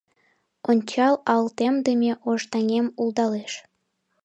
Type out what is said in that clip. Ончал ал темдыме ош таҥем улдалеш.